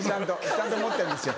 ちゃんと持ってんですよ。